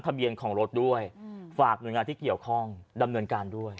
เบียนของรถด้วยฝากหน่วยงานที่เกี่ยวข้องดำเนินการด้วย